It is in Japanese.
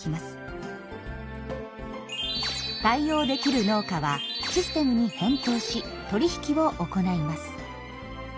対応できる農家はシステムに返答し取り引きを行います。